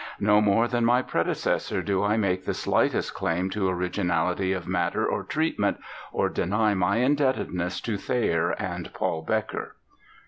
No more than my predecessor do I make the slightest claim to originality of matter or treatment, or deny my indebtedness to Thayer and Paul Bekker.